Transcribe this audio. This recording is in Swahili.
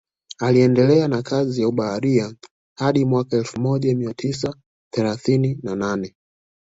Aliendelea na kazi ya ubaharia hadi mwaka elfu moja mia tisa thelathini na nane